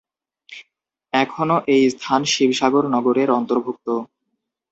এখনো এই স্থান শিবসাগর নগরের অন্তর্ভুক্ত।